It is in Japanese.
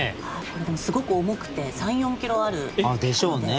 これでもすごく重くて３４キロある。でしょうね。